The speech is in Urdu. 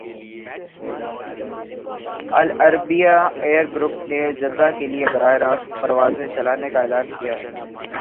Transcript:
العربیہ ایئر گروپ نے جدہ کے لیے براہ راست پروازیں چلانے کا اعلان کیا ہے